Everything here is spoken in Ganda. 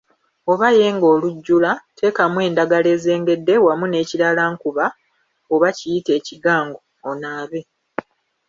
Oba yenga olujjula, teekamu endagala ezengedde wamu n'ekiraalankuba oba kiyite ekigango onaabe.